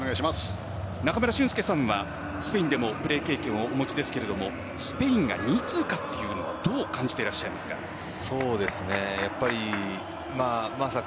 中村俊輔さんはスペインでもプレー経験をお持ちですがスペインが２位通過というのはどう感じていらっしゃるんですか？